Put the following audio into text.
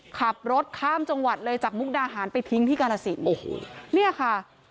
ขับรถข้ามจังหวัดเลยจากมุกดาหารไปทิ้งที่กาลสินโอ้โหเนี่ยค่ะ